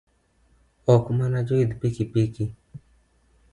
Ok mana joidh pikipiki